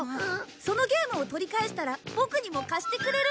そのゲームを取り返したらボクにも貸してくれる？